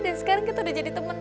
dan sekarang kita udah jadi temen